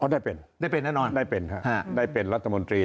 ได้เป็นได้เป็นแน่นอนได้เป็นครับได้เป็นรัฐมนตรี